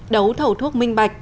đấu thẩu thuốc minh bạch